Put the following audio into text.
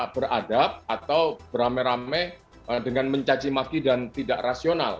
beradab atau beramai ramai dengan mencacimaki dan tidak rasional